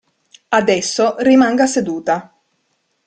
Adesso, rimanga seduta.